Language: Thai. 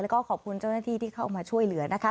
แล้วก็ขอบคุณเจ้าหน้าที่ที่เข้ามาช่วยเหลือนะคะ